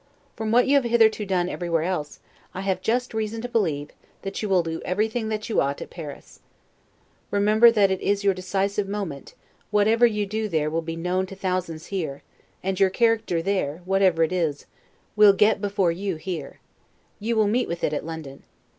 From what you have hitherto done everywhere else, I have just reason to believe, that you will do everything that you ought at Paris. Remember that it is your decisive moment; whatever you do there will be known to thousands here, and your character there, whatever it is, will get before you here. You will meet with it at London.